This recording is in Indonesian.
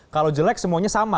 kalau jelek semuanya sama